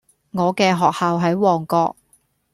我嘅學校喺旺角